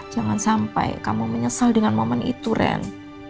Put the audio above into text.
jangan sampai kamu menyesal dengan momen itu ren